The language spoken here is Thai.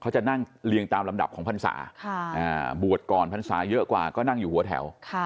เขาจะนั่งเรียงตามลำดับของพรรษาบวชก่อนพรรษาเยอะกว่าก็นั่งอยู่หัวแถว